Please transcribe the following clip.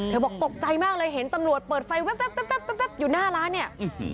บอกตกใจมากเลยเห็นตำรวจเปิดไฟแว๊บอยู่หน้าร้านเนี่ย